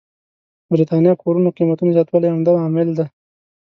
برېتانيا کورونو قېمتونو زياتوالی عمده عامل دی.